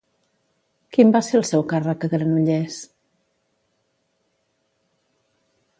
Quin va ser el seu càrrec a Granollers?